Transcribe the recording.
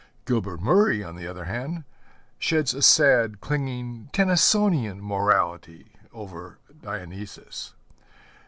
Gilbert Murray, on the other hand, sheds a sad, clinging, Tennysonian morality over Dionysus.